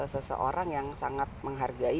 seseorang yang sangat menghargai